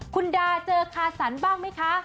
คุณดาเจอคาสันบ้างไหมคะ